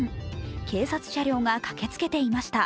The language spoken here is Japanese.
警察車両が駆けつけていました。